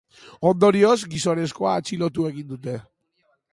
Ondorioz, gizonezkoa atxilotu egin dute.